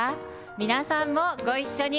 皆さんもご一緒に。